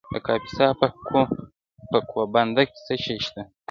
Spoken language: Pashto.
د کاپیسا په کوه بند کې څه شی شته؟